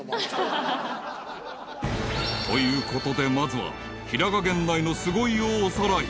［ということでまずは平賀源内のすごいをおさらい］